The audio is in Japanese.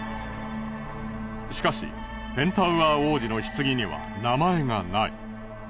しかしペンタウアー王子の棺には名前がない。